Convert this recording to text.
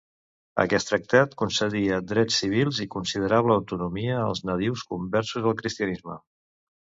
Aquest tractat concedia drets civils i considerable autonomia als nadius conversos al cristianisme.